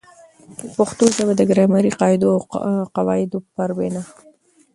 پښتو ژبه د ګرامري قاعدو او قوا عدو پر بناء